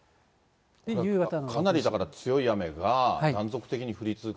かなりだから、強い雨が断続的に降り続く。